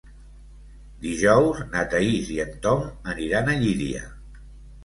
Dijous na Thaís i en Tom aniran a Llíria.